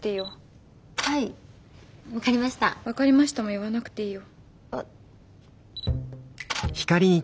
「分かりました」も言わなくていいよ。わ。